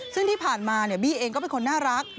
ซึ่งที่ผ่านมาบี้เองก็เป็นคนน่ารัก